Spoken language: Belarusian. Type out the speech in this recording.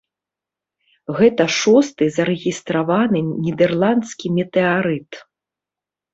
Гэта шосты зарэгістраваны нідэрландскі метэарыт.